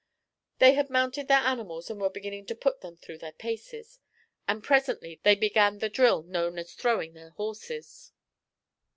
They had mounted their animals and were beginning to put them through their paces, and presently they began the drill known as throwing their horses.